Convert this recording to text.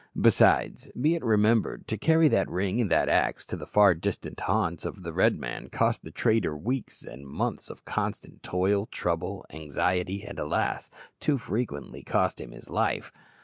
Besides, be it remembered, to carry that ring and that axe to the far distant haunts of the Red man cost the trader weeks and months of constant toil, trouble, anxiety, and, alas! too frequently cost him his life!